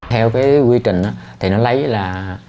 theo cái quy trình thì nó lấy là